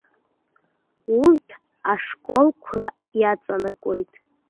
Урҭ ашколқәра иаҵанакуеит.